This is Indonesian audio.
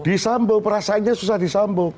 disambung perasaannya susah disambung